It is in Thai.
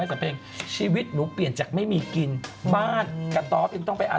ก็จะมีจริง